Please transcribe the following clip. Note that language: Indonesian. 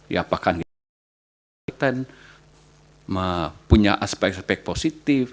ya apakah kandidat kandidat punya aspek aspek positif